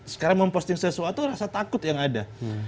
sekarang memposting sesuatu rasa takut yang ada